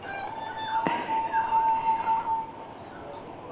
ইতিমধ্যে সিনেটে জাকসু এবং শিক্ষক প্রতিনিধি নির্বাচনের তফসিল ঘোষণা করা হয়েছে।